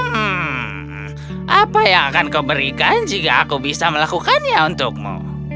hmm apa yang akan kau berikan jika aku bisa melakukannya untukmu